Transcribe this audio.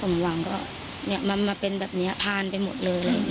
มันมาเป็นแบบนี้พ่านไปหมดเลย